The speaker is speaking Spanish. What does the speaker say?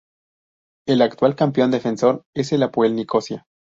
El actual campeón defensor es el Apoel Nicosia.